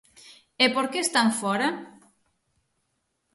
¿E por que están fóra?